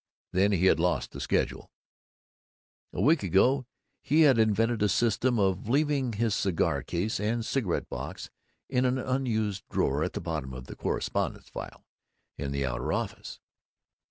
Then he had lost the schedule. A week ago he had invented a system of leaving his cigar case and cigarette box in an unused drawer at the bottom of the correspondence file, in the outer office.